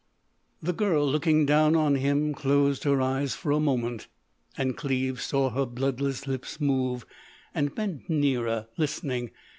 The girl looking down on him closed her eyes for a moment, and Cleves saw her bloodless lips move, and bent nearer, listening.